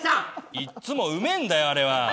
いつもうまいんだよあれは。